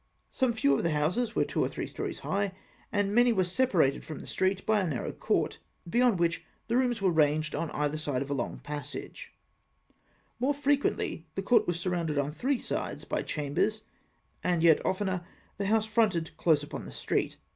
Some few of the houses were two or three storeys high, and many were separated from the street by a narrow court, beyond which the rooms were ranged on either side of a long passage (fig. 4). More frequently, the court was surrounded on three sides by chambers (fig. 5); and yet oftener the house fronted close upon the street.